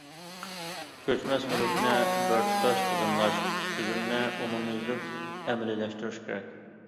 كۆچمەس مۈلۈكنى بىرتۇتاش تىزىملاش تۈزۈمىنى ئومۇميۈزلۈك ئەمەلىيلەشتۈرۈش.